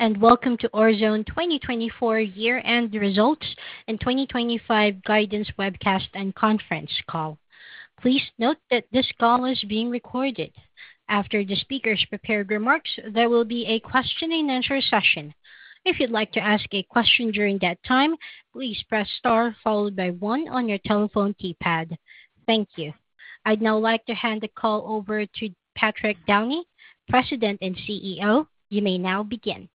Welcome to Orezone 2024 Year-End Results and 2025 Guidance Webcast and Conference Call. Please note that this call is being recorded. After the speakers prepare remarks, there will be a question-and-answer session. If you'd like to ask a question during that time, please press star followed by one on your telephone keypad. Thank you. I'd now like to hand the call over to Patrick Downey, President and CEO. You may now begin.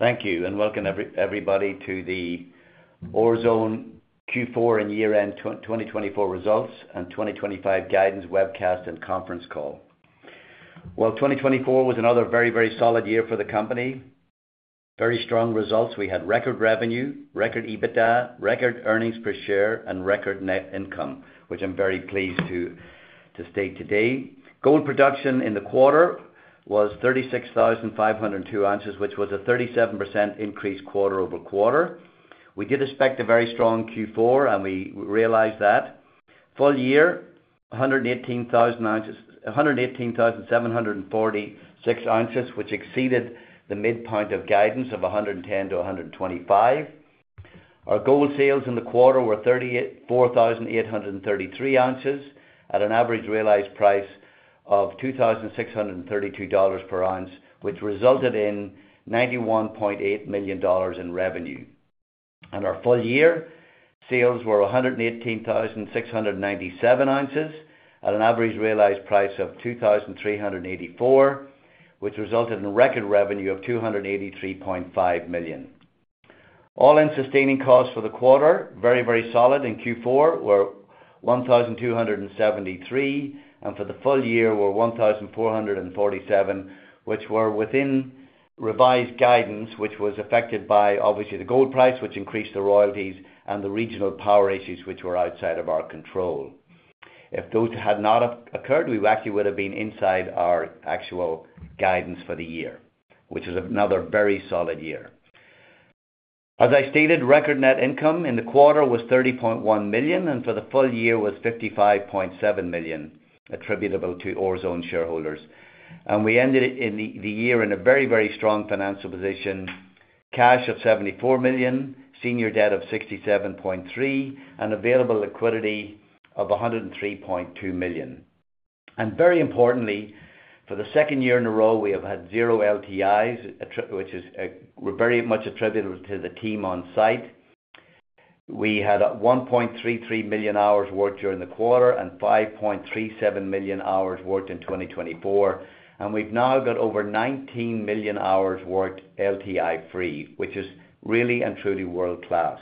Thank you, and welcome everybody to the Orezone Q4 and Year-End 2024 Results and 2025 Guidance Webcast and Conference Call. 2024 was another very, very solid year for the company. Very strong results. We had record revenue, record EBITDA, record earnings per share, and record net income, which I'm very pleased to state today. Gold production in the quarter was 36,502 ounces, which was a 37% increase quarter over quarter. We did expect a very strong Q4, and we realized that. Full year, 118,746 ounces, which exceeded the midpoint of guidance of 110 to 125. Our gold sales in the quarter were 34,833 ounces at an average realized price of $2,632 per ounce, which resulted in $91.8 million in revenue. Our full year sales were 118,697 ounces at an average realized price of $2,384, which resulted in record revenue of $283.5 million. All-in sustaining costs for the quarter, very, very solid in Q4, were $1,273, and for the full year were $1,447, which were within revised guidance, which was affected by, obviously, the gold price, which increased the royalties, and the regional power issues, which were outside of our control. If those had not occurred, we actually would have been inside our actual guidance for the year, which was another very solid year. As I stated, record net income in the quarter was $30.1 million, and for the full year was $55.7 million attributable to Orezone shareholders. We ended the year in a very, very strong financial position: cash of $74 million, senior debt of $67.3 million, and available liquidity of $103.2 million. Very importantly, for the second year in a row, we have had zero LTIs, which were very much attributable to the team on site. We had 1.33 million hours worked during the quarter and 5.37 million hours worked in 2024. We have now got over 19 million hours worked LTI-free, which is really and truly world-class.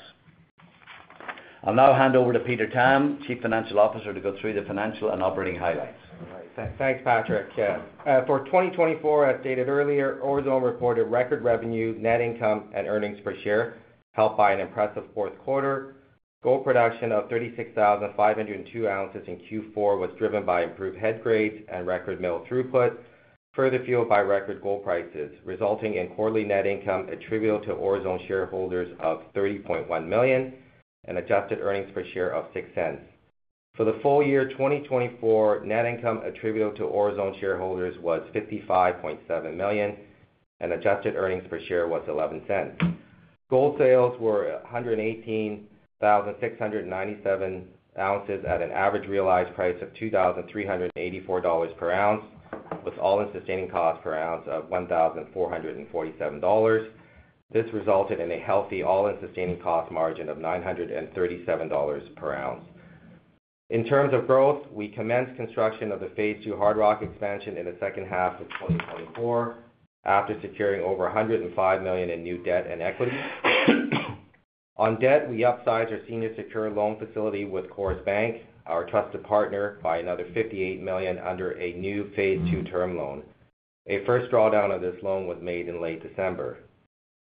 I'll now hand over to Peter Tam, Chief Financial Officer, to go through the financial and operating highlights. Thanks, Patrick. For 2024, as stated earlier, Orezone reported record revenue, net income, and earnings per share helped by an impressive fourth quarter. Gold production of 36,502 ounces in Q4 was driven by improved head grades and record mill throughput, further fueled by record gold prices, resulting in quarterly net income attributable to Orezone shareholders of $30.1 million and adjusted earnings per share of $0.06. For the full year 2024, net income attributable to Orezone shareholders was $55.7 million, and adjusted earnings per share was $0.11. Gold sales were 118,697 ounces at an average realized price of $2,384 per ounce, with all-in sustaining costs per ounce of $1,447. This resulted in a healthy all-in sustaining cost margin of $937 per ounce. In terms of growth, we commenced construction of the phase two hard rock expansion in the second half of 2024 after securing over $105 million in new debt and equity. On debt, we upsized our senior secure loan facility with CIBC, our trusted partner, by another $58 million under a new phase two term loan. A first drawdown of this loan was made in late December.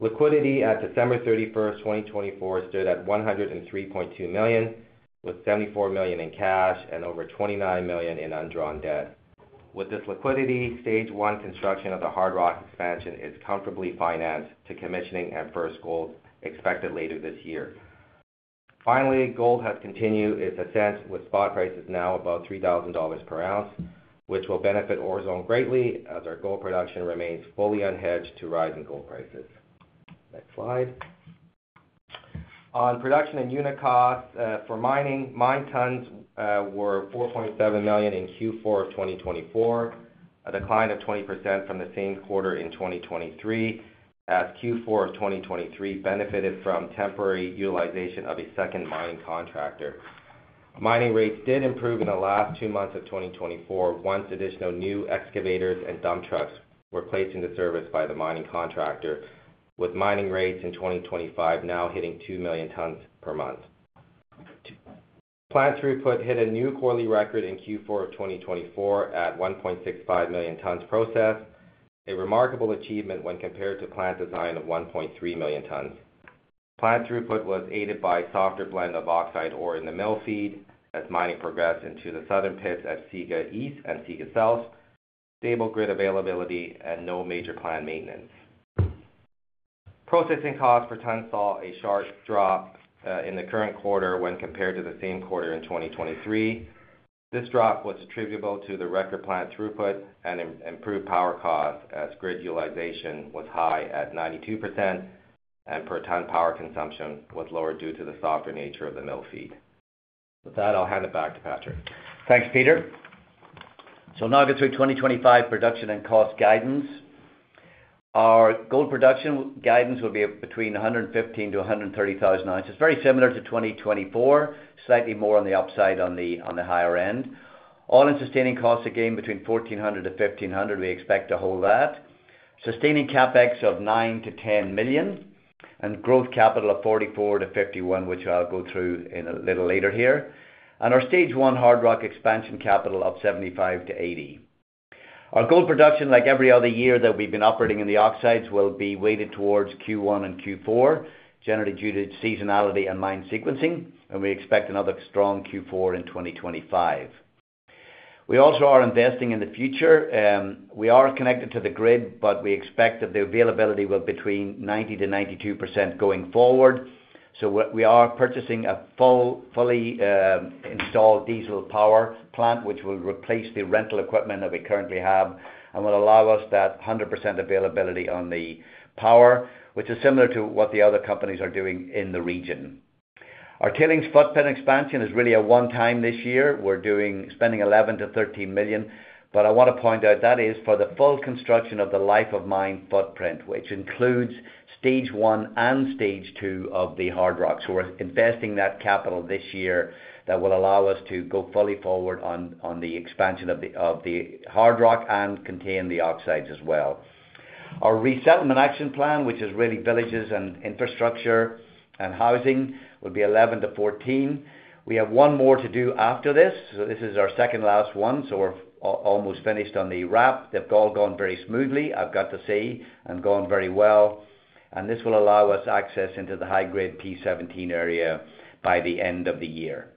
Liquidity at December 31, 2024, stood at $103.2 million, with $74 million in cash and over $29 million in undrawn debt. With this liquidity, stage one construction of the hard rock expansion is comfortably financed to commissioning and first gold expected later this year. Finally, gold has continued its ascent, with spot prices now above $3,000 per ounce, which will benefit Orezone greatly as our gold production remains fully unhedged to rising gold prices. Next slide. On production and unit costs for mining, mine tons were 4.7 million in Q4 of 2024, a decline of 20% from the same quarter in 2023, as Q4 of 2023 benefited from temporary utilization of a second mining contractor. Mining rates did improve in the last two months of 2024 once additional new excavators and dump trucks were placed into service by the mining contractor, with mining rates in 2025 now hitting 2 million tons per month. Plant throughput hit a new quarterly record in Q4 of 2024 at 1.65 million tons processed, a remarkable achievement when compared to plant design of 1.3 million tons. Plant throughput was aided by a softer blend of oxide ore in the mill feed as mining progressed into the southern pits at SEGA East and SEGA South, stable grid availability, and no major plant maintenance. Processing costs for tons saw a sharp drop in the current quarter when compared to the same quarter in 2023. This drop was attributable to the record plant throughput and improved power costs as grid utilization was high at 92%, and per ton power consumption was lower due to the softer nature of the mill feed. With that, I'll hand it back to Patrick. Thanks, Peter. In August of 2025, production and cost guidance. Our gold production guidance will be between 115,000-130,000 ounces, very similar to 2024, slightly more on the upside on the higher end. All-in sustaining costs again between $1,400-$1,500. We expect to hold that. Sustaining capex of $9 million-$10 million and growth capital of $44 million-$51 million, which I'll go through a little later here. Our stage one hard rock expansion capital of $75 million-$80 million. Our gold production, like every other year that we've been operating in the oxides, will be weighted towards Q1 and Q4, generally due to seasonality and mine sequencing, and we expect another strong Q4 in 2025. We also are investing in the future. We are connected to the grid, but we expect that the availability will be between 90%-92% going forward. We are purchasing a fully installed diesel power plant, which will replace the rental equipment that we currently have and will allow us that 100% availability on the power, which is similar to what the other companies are doing in the region. Our tailings footprint expansion is really a one-time this year. We're spending $11 million-$13 million. I want to point out that is for the full construction of the life of mine footprint, which includes stage one and stage two of the hard rock. We're investing that capital this year that will allow us to go fully forward on the expansion of the hard rock and contain the oxides as well. Our resettlement action plan, which is really villages and infrastructure and housing, will be $11 million-$14 million. We have one more to do after this. This is our second last one. We're almost finished on the RAP. They've all gone very smoothly, I've got to say, and gone very well. This will allow us access into the high-grade P17 area by the end of the year.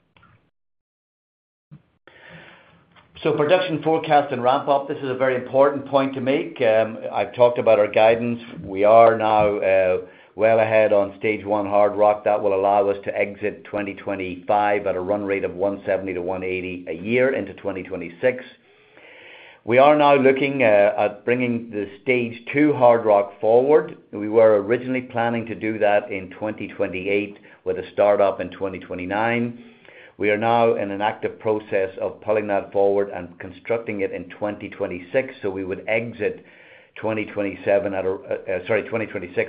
Production forecast and ramp-up, this is a very important point to make. I've talked about our guidance. We are now well ahead on stage one hard rock. That will allow us to exit 2025 at a run rate of $170 million-$180 million a year into 2026. We are now looking at bringing the stage two hard rock forward. We were originally planning to do that in 2028 with a start-up in 2029. We are now in an active process of pulling that forward and constructing it in 2026. We would exit 2026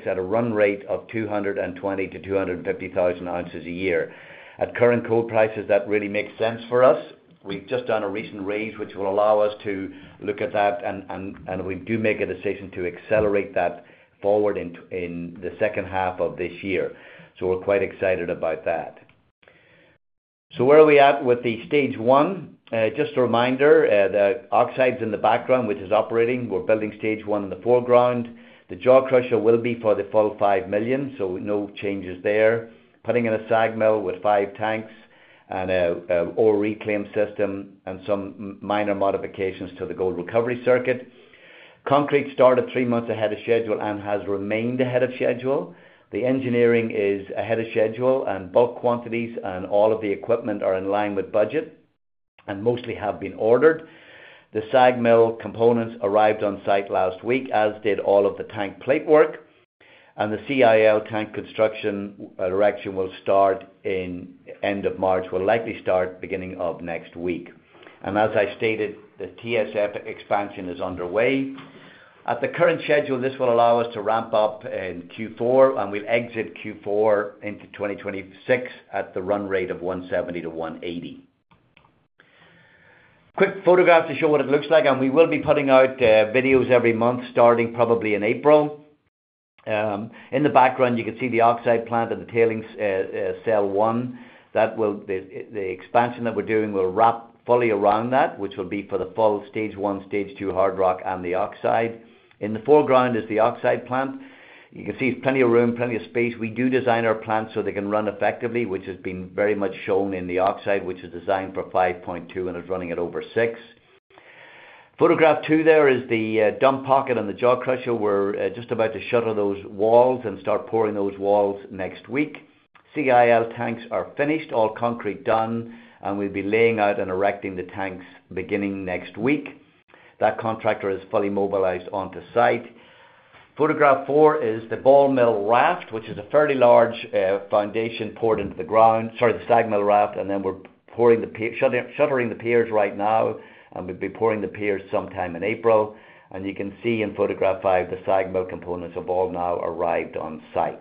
at a run rate of 220,000-250,000 ounces a year. At current gold prices, that really makes sense for us. We've just done a recent raise, which will allow us to look at that, and we do make a decision to accelerate that forward in the second half of this year. We're quite excited about that. Where are we at with the stage one? Just a reminder, the oxides in the background, which is operating, we're building stage one in the foreground. The jaw crusher will be for the full 5 million, so no changes there. Putting in a SAG mill with five tanks and an ore reclaim system and some minor modifications to the gold recovery circuit. Concrete started three months ahead of schedule and has remained ahead of schedule. The engineering is ahead of schedule, and bulk quantities and all of the equipment are in line with budget and mostly have been ordered. The SAG mill components arrived on site last week, as did all of the tank plate work. The CIL tank construction direction will start in the end of March, will likely start beginning of next week. As I stated, the TSF expansion is underway. At the current schedule, this will allow us to ramp up in Q4, and we'll exit Q4 into 2026 at the run rate of $170-$180. Quick photograph to show what it looks like, and we will be putting out videos every month starting probably in April. In the background, you can see the oxide plant and the tailings cell one. The expansion that we're doing will RAP fully around that, which will be for the full stage one, stage two hard rock, and the oxide. In the foreground is the oxide plant. You can see plenty of room, plenty of space. We do design our plants so they can run effectively, which has been very much shown in the oxide, which is designed for 5.2 and is running at over 6. Photograph two there is the dump pocket and the jaw crusher. We're just about to shutter those walls and start pouring those walls next week. CIL tanks are finished, all concrete done, and we'll be laying out and erecting the tanks beginning next week. That contractor is fully mobilized onto site. Photograph four is the ball mill raft, which is a fairly large foundation poured into the ground, sorry, the SAG mill raft, and then we're shuttering the piers right now, and we'll be pouring the piers sometime in April. You can see in photograph five the SAG mill components have all now arrived on site.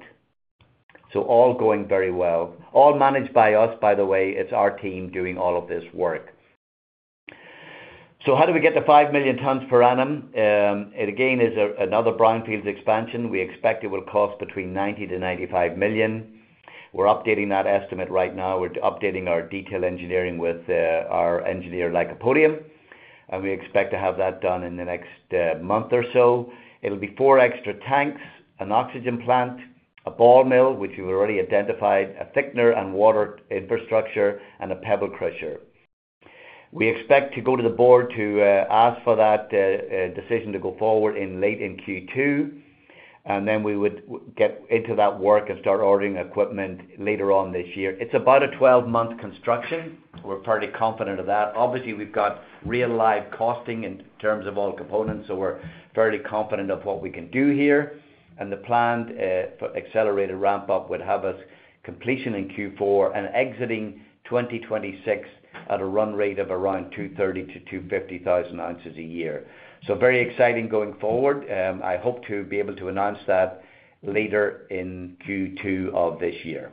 All going very well. All managed by us, by the way. It's our team doing all of this work. How do we get to 5 million tons per annum? It again is another brownfield expansion. We expect it will cost between $90-$95 million. We're updating that estimate right now. We're updating our detail engineering with our engineer Lycopodium, and we expect to have that done in the next month or so. It'll be four extra tanks, an oxygen plant, a ball mill, which we've already identified, a thickener and water infrastructure, and a pebble crusher. We expect to go to the board to ask for that decision to go forward late in Q2, and we would get into that work and start ordering equipment later on this year. It's about a 12-month construction. We're fairly confident of that. Obviously, we've got real live costing in terms of all components, so we're fairly confident of what we can do here. The planned accelerated ramp-up would have us completion in Q4 and exiting 2026 at a run rate of around 230,000-250,000 ounces a year. Very exciting going forward. I hope to be able to announce that later in Q2 of this year.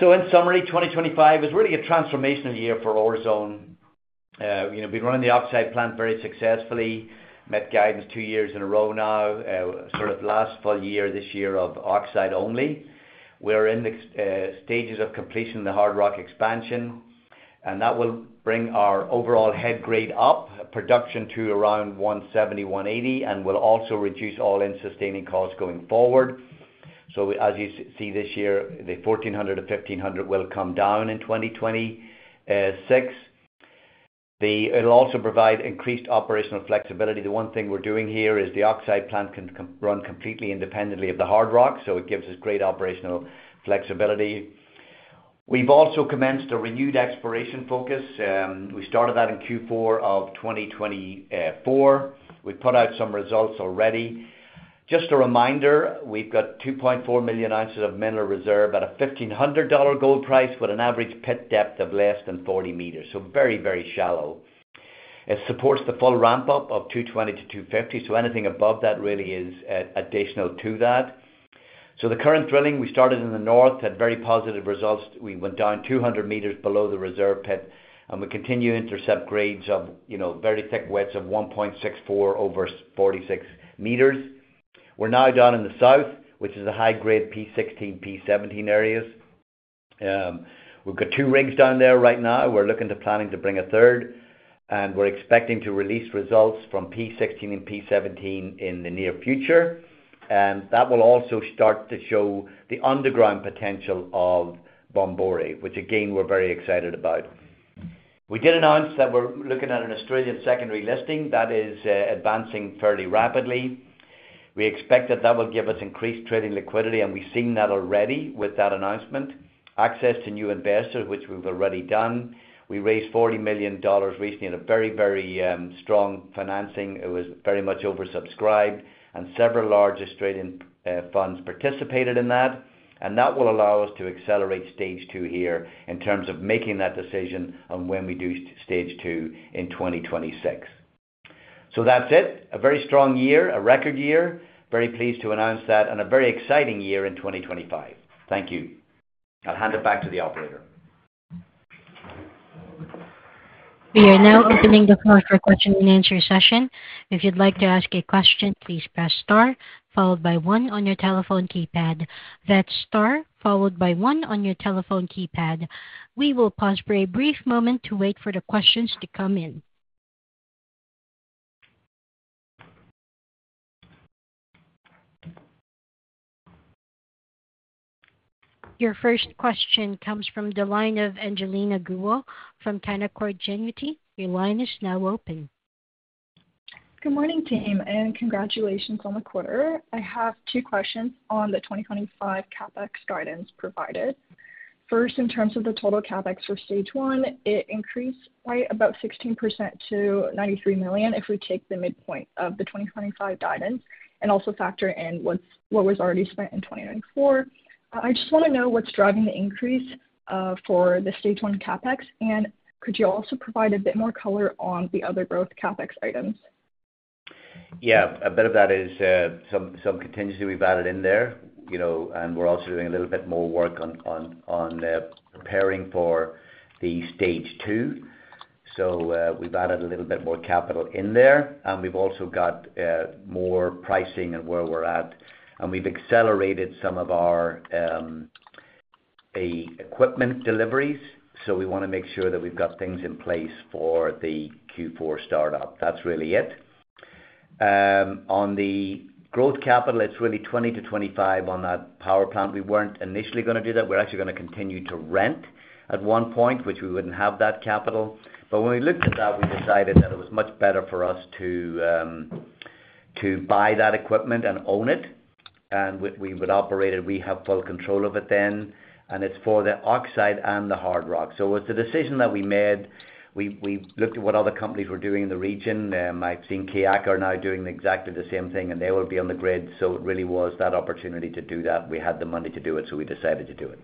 In summary, 2025 is really a transformational year for Orezone. We've run the oxide plant very successfully, met guidance two years in a row now, sort of last full year this year of oxide only. We're in the stages of completion of the hard rock expansion, and that will bring our overall head grade up, production to around 170,000-180,000, and will also reduce all-in sustaining costs going forward. As you see this year, the $1,400-$1,500 will come down in 2026. It'll also provide increased operational flexibility. The one thing we're doing here is the oxide plant can run completely independently of the hard rock, so it gives us great operational flexibility. We've also commenced a renewed exploration focus. We started that in Q4 of 2024. We've put out some results already. Just a reminder, we've got 2.4 million ounces of mineral reserve at a $1,500 gold price with an average pit depth of less than 40 meters, so very, very shallow. It supports the full ramp-up of $220-$250, so anything above that really is additional to that. The current drilling, we started in the north, had very positive results. We went down 200 meters below the reserve pit, and we continue intercept grades of very thick widths of 1.64 over 46 meters. We're now down in the south, which is the high-grade P16, P17 areas. We've got two rigs down there right now. We're looking to planning to bring a third, and we're expecting to release results from P16 and P17 in the near future. That will also start to show the underground potential of Bomboré, which again, we're very excited about. We did announce that we're looking at an ASX secondary listing that is advancing fairly rapidly. We expect that that will give us increased trading liquidity, and we've seen that already with that announcement. Access to new investors, which we've already done. We raised $40 million recently at a very, very strong financing. It was very much oversubscribed, and several large Australian funds participated in that. That will allow us to accelerate stage two here in terms of making that decision on when we do stage two in 2026. That is it. A very strong year, a record year. Very pleased to announce that, and a very exciting year in 2025. Thank you. I'll hand it back to the operator. We are now opening the call for question and answer session. If you'd like to ask a question, please press star followed by one on your telephone keypad. That's star followed by one on your telephone keypad. We will pause for a brief moment to wait for the questions to come in. Your first question comes from the line of Angelina Guo from TD Cowen. Your line is now open. Good morning, team, and congratulations on the quarter. I have two questions on the 2025 CapEx guidance provided. First, in terms of the total CapEx for stage one, it increased by about 16% to $93 million if we take the midpoint of the 2025 guidance and also factor in what was already spent in 2024. I just want to know what's driving the increase for the stage one CapEx, and could you also provide a bit more color on the other growth CapEx items? Yeah, a bit of that is some contingency we've added in there, and we're also doing a little bit more work on preparing for the stage two. We've added a little bit more capital in there, and we've also got more pricing and where we're at. We've accelerated some of our equipment deliveries, so we want to make sure that we've got things in place for the Q4 start-up. That's really it. On the growth capital, it's really $20-$25 million on that power plant. We weren't initially going to do that. We were actually going to continue to rent at one point, which we wouldn't have that capital. When we looked at that, we decided that it was much better for us to buy that equipment and own it, and we would operate it. We have full control of it then, and it's for the oxide and the hard rock. It was the decision that we made. We looked at what other companies were doing in the region. I've seen K92 are now doing exactly the same thing, and they will be on the grid. It really was that opportunity to do that. We had the money to do it, so we decided to do it.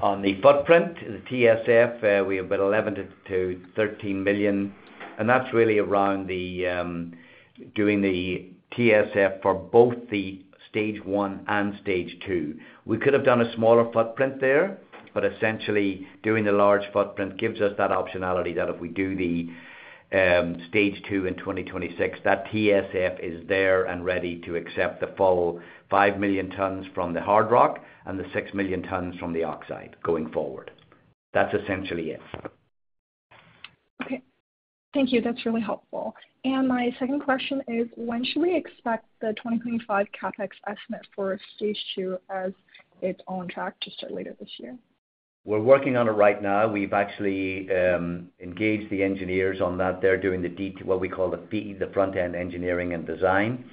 On the footprint, the TSF, we have been $11 million-$13 million, and that's really around doing the TSF for both the stage one and stage two. We could have done a smaller footprint there, but essentially doing the large footprint gives us that optionality that if we do the stage two in 2026, that TSF is there and ready to accept the full 5 million tons from the hard rock and the 6 million tons from the oxide going forward. That's essentially it. Okay. Thank you. That's really helpful. My second question is, when should we expect the 2025 CapEx estimate for stage two as it's on track to start later this year? We're working on it right now. We've actually engaged the engineers on that. They're doing what we call the front-end engineering and design.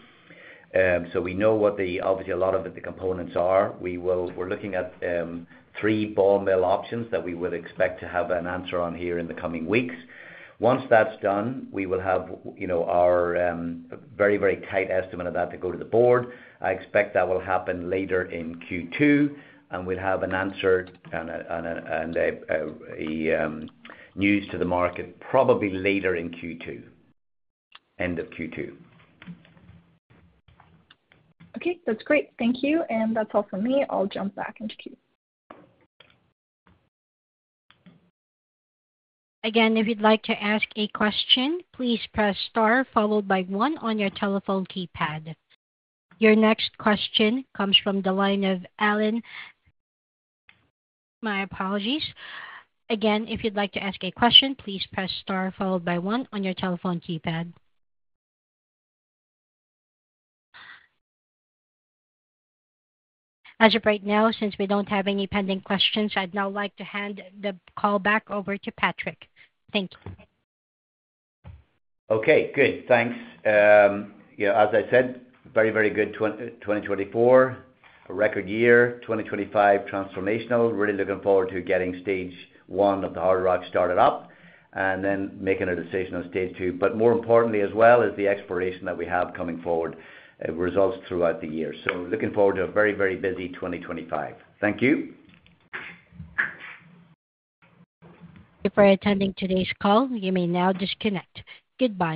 We know what obviously a lot of the components are. We're looking at three ball mill options that we would expect to have an answer on here in the coming weeks. Once that's done, we will have our very, very tight estimate of that to go to the board. I expect that will happen later in Q2, and we'll have an answer and news to the market probably later in Q2, end of Q2. Okay. That's great. Thank you. That's all from me. I'll jump back into Q. Again, if you'd like to ask a question, please press star followed by one on your telephone keypad. Your next question comes from the line of Allen. My apologies. Again, if you'd like to ask a question, please press star followed by one on your telephone keypad. As of right now, since we don't have any pending questions, I'd now like to hand the call back over to Patrick. Thank you. Okay. Good. Thanks. As I said, very, very good 2024, a record year, 2025 transformational. Really looking forward to getting stage one of the hard rock started up and then making a decision on stage two. More importantly as well is the exploration that we have coming forward, results throughout the year. Looking forward to a very, very busy 2025. Thank you. Thank you for attending today's call. You may now disconnect. Goodbye.